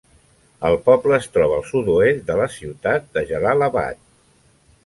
El poble es troba al sud-oest de la ciutat Jalal-Abad.